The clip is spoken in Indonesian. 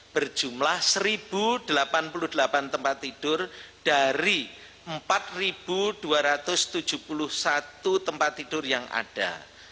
berjumlah satu delapan puluh delapan tempat tidur dari empat dua ratus tujuh puluh satu tempat tidur yang ada